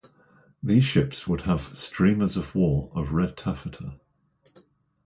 These ships would have "streamers of war of red taffeta".